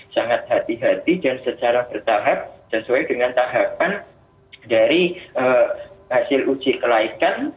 sangat hati hati dan secara bertahap sesuai dengan tahapan dari hasil uji kelaikan